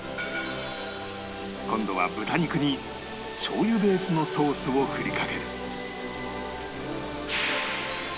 今度は豚肉にしょう油ベースのソースを振りかける